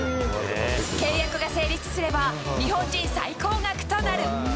契約が成立すれば、日本人最高額となる。